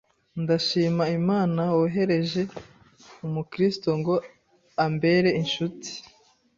Ndashima Imana wohereje umukristo ngo ambere incuti,